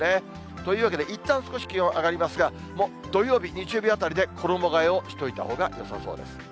というわけで、いったん少し気温上がりますが、土曜日、日曜日あたりで衣がえをしといたほうがよさそうです。